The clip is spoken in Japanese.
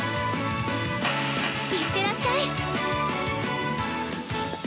いってらっしゃい！